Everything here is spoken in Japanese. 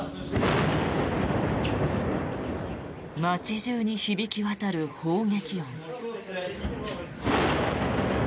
街中に響き渡る砲撃音。